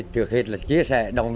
thực hiện là chia sẻ đồng ý